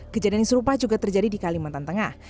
kejadian serupa juga terjadi di kalimantan tengah